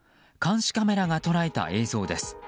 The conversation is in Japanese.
監視カメラが捉えた映像です。